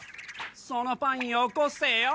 そのパンよこせよ！